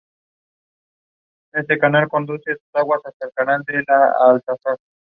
Y dieron dinero á los carpinteros y oficiales;